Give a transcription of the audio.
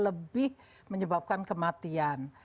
lebih mampu menyebabkan kematian